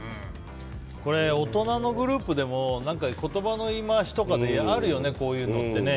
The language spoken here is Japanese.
これ、大人のグループでも言葉の言い回しとかであるよね、こういうのってね。